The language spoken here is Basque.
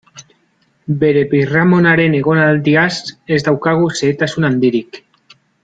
Bere birramonaren egonaldiaz ez daukagu xehetasun handirik.